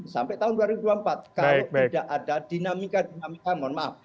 sampai tahun dua ribu dua puluh empat kalau tidak ada dinamika dinamika mohon maaf